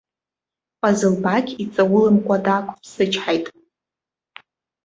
Ҟазылбақь иҵауламкәа даақәыԥсычҳаит.